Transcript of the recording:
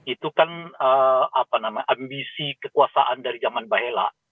itu kan ambisi kekuasaan dari zaman bahela